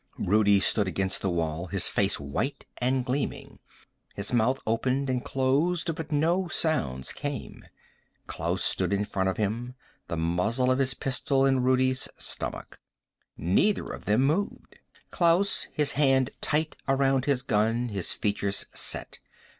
Rudi stood against the wall, his face white and gleaming. His mouth opened and closed but no sounds came. Klaus stood in front of him, the muzzle of his pistol in Rudi's stomach. Neither of them moved. Klaus, his hand tight around his gun, his features set.